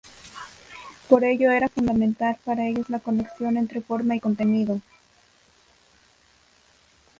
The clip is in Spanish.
Por ello era fundamental para ellos la conexión entre forma y contenido.